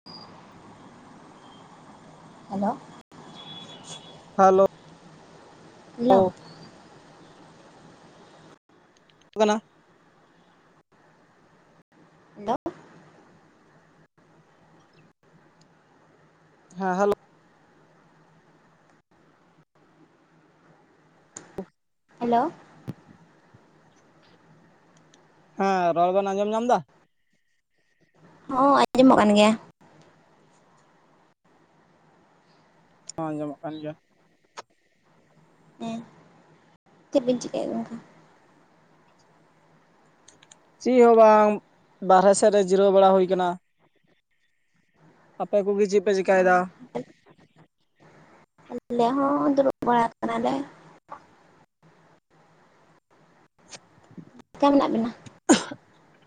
[inaudible] Hello hello hello [unintelligible] hello ᱦᱮᱸ, hello hello ᱦᱮᱸ, ᱨᱚᱲ ᱵᱮᱱ ᱟᱸᱡᱚᱢ ᱧᱟᱢ ᱫᱟ? ᱦᱚᱸ ᱟᱸᱡᱚᱢᱚᱜ ᱠᱟᱱ ᱜᱮᱭᱟ ᱦᱚᱸ ᱟᱸᱡᱚᱢᱚᱜ ᱠᱟᱱ ᱜᱮᱭᱟ ᱦᱮᱸ ᱪᱮᱫ ᱵᱤᱱ ᱪᱤᱠᱟᱹᱭᱮᱜᱼᱟ ᱜᱚᱝᱠᱮ? ᱪᱤᱜ ᱦᱚᱸ ᱵᱟᱝ, ᱵᱟᱨᱦᱮ ᱥᱮᱫ ᱨᱮ ᱡᱤᱨᱟᱹᱣ ᱵᱟᱲᱟ ᱦᱩᱭ ᱠᱟᱱᱟ᱾ ᱟᱯᱮ ᱠᱚᱜᱮ ᱪᱮᱜ ᱯᱮ ᱪᱤᱠᱟᱭ ᱫᱟ? ᱟᱞᱮ ᱦᱚᱸ ᱫᱩᱲᱩᱵ ᱵᱟᱲᱟ ᱠᱟᱱᱟᱞᱮ᱾ [inaudible] [unintelligible] ᱢᱮᱱᱟᱜ ᱵᱤᱱᱟ? [inaudible]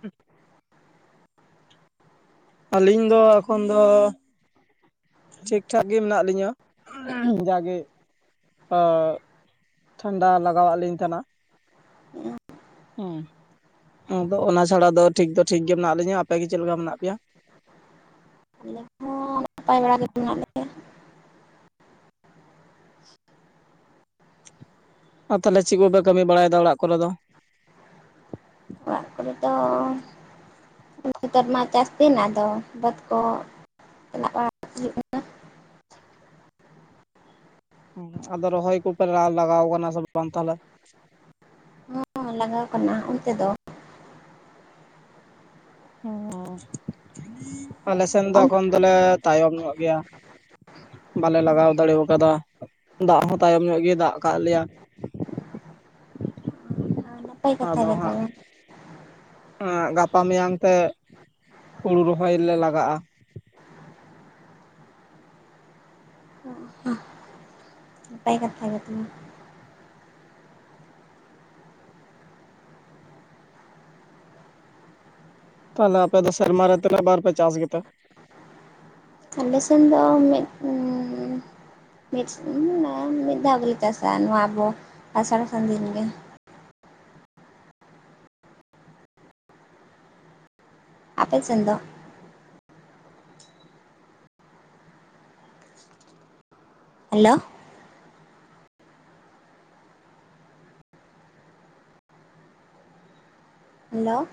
ᱟᱹᱞᱤᱧ ᱫᱚ ᱮᱠᱷᱚᱱ ᱫᱚᱻ ᱴᱷᱤᱠ ᱴᱷᱟᱠ ᱜᱮ ᱢᱮᱱᱟᱜ ᱞᱤᱧᱟᱹ ᱡᱟᱜᱮ [unintelligible] ᱴᱷᱟᱱᱰᱟ ᱞᱟᱜᱟᱣᱟᱜ ᱞᱤᱧ ᱛᱟᱦᱮᱸᱱᱟ᱾ ᱦᱩᱸ ᱟᱫᱚ ᱚᱱᱟ ᱪᱷᱟᱲᱟ ᱫᱚ ᱴᱷᱤᱠ ᱫᱚ ᱴᱷᱤᱠ ᱜᱮ ᱢᱮᱱᱟᱜ ᱞᱤᱧᱟ, ᱟᱯᱮ ᱜᱮ ᱪᱮᱫ ᱞᱮᱠᱟ ᱢᱮᱱᱟᱜ ᱯᱮᱭᱟ? ᱟᱞᱮ ᱦᱚᱸᱻ ᱱᱟᱯᱟᱭ ᱵᱟᱲᱟ ᱜᱮ ᱢᱮᱱᱟᱜ ᱞᱮᱭᱟ᱾ ᱟᱨ ᱛᱟᱦᱚᱞᱮ ᱪᱮᱜ ᱠᱚᱯᱮ ᱠᱟᱹᱢᱤ ᱵᱟᱲᱟᱭ ᱫᱟ ᱚᱲᱟᱜ ᱠᱚᱨᱮ ᱫᱚ? ᱟᱞᱮ ᱛᱚᱻᱼᱼ ᱱᱤᱛᱚᱜ ᱢᱟ ᱪᱟᱥ ᱫᱤᱱ ᱟᱫᱚ ᱵᱟᱹᱫᱽ ᱠᱚ [unintelligible] ᱦᱩᱭᱩᱜ ᱠᱟᱱᱟ ᱟᱫᱚ ᱨᱚᱦᱚᱭ ᱠᱚᱯᱮ ᱨᱟᱜ ᱞᱟᱜᱟᱣ ᱠᱟᱱᱟ ᱥᱮ ᱵᱟᱝ ᱛᱟᱦᱚᱞᱮ? ᱦᱮᱸ ᱞᱟᱜᱟᱣ ᱠᱟᱱᱟ ᱚᱱᱛᱮ ᱫᱚ ᱦᱚᱸ, ᱟᱞᱮ ᱥᱮᱱ ᱫᱚ ᱮᱠᱷᱚᱱ ᱫᱚᱞᱮ ᱛᱟᱭᱚᱢ ᱧᱚᱜ ᱜᱮᱭᱟ᱾ ᱵᱟᱞᱮ ᱞᱟᱜᱟᱣ ᱫᱟᱲᱮᱣ ᱠᱟᱫᱟ, ᱫᱟᱜ ᱦᱚᱸ ᱛᱟᱭᱚᱢ ᱧᱚᱜ ᱜᱮ ᱫᱟᱜ ᱠᱟᱜ ᱞᱮᱭᱟ᱾ ᱱᱟᱯᱟᱭ ᱠᱟᱛᱷᱟ ᱟᱫᱚ ᱜᱮ ᱦᱟᱸᱜ ᱛᱚᱵᱮ ᱜᱟᱯᱟ ᱢᱮᱭᱟᱝ ᱛᱮ ᱦᱩᱲᱩ ᱨᱚᱦᱚᱭ ᱞᱮ ᱞᱟᱜᱟᱜᱼᱟ [inaudible] ᱱᱟᱯᱟᱭ ᱠᱟᱛᱷᱟ ᱜᱮ [unintelligible] ᱛᱟᱦᱚᱞᱮ ᱟᱯᱮ ᱫᱚ ᱥᱮᱨᱢᱟ ᱨᱮ ᱛᱤᱱᱟᱹᱜ ᱵᱟᱨ ᱯᱮ ᱪᱟᱥ ᱜᱮᱛᱮ? ᱟᱞᱮ ᱥᱮᱱ ᱫᱚ ᱢᱤᱫ ᱩᱸᱻ [unintelligible] ᱢᱤᱫ ᱫᱷᱟᱣ ᱜᱮᱞᱮ ᱪᱟᱥᱟ ᱱᱚᱣᱟ ᱟᱵᱚ ᱟᱥᱟᱲ ᱥᱟᱱ ᱫᱤᱱ ᱜᱮ᱾ ᱟᱯᱮ ᱥᱮᱱ ᱫᱚ? Hello hello